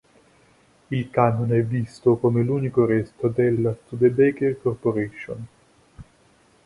Il camion è visto come l'unico resto della Studebaker Corporation.